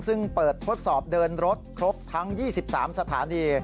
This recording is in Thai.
ซึ่งเปิดทดสอบเดินรถครบทั้ง๒๓สถานี